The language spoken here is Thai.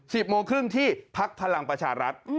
โมงครึ่งที่พักพลังประชารัฐ